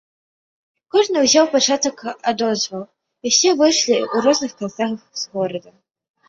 Кожны ўзяў пачак адозваў, і ўсе выйшлі ў розных канцах з горада.